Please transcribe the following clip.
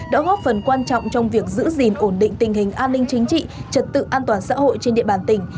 đã góp phần quan trọng trong việc giữ gìn ổn định tình hình an ninh chính trị trật tự an toàn xã hội trên địa bàn tỉnh